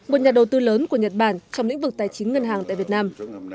một nhà đầu tư lớn của nhật bản trong lĩnh vực tài chính ngân hàng tại việt nam